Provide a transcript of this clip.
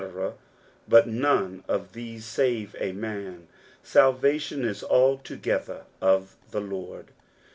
hat none of these save a man, Balvation is altOKether of the Lord.